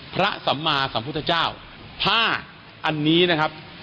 สัมมาสัมพุทธเจ้าผ้าอันนี้นะครับ